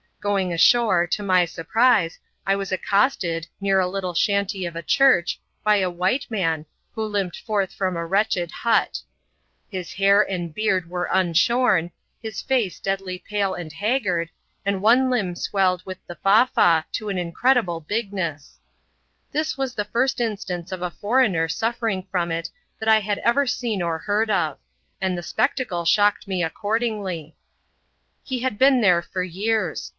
Going ashore, to my surprise, I was accosted, near a little 6hanty of a church, by a white man, who limped forth from a wretched hut. His hair and beard were unshorn, his fece deadly pale and haggard, and one limb swelled with the Fa Fa to an incredible bigness. This was the first instance of a foreigner suffering, from it that I had ever seen or heard of; and the spectacle shocked me accordingly. He had been there for years.